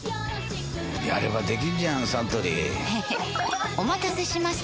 やればできんじゃんサントリーへへっお待たせしました！